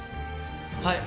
はい。